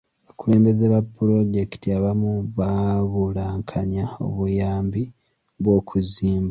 Abakulembeze ba pulojekiti abamu baabulankanya obuyambi bw'okuzimba.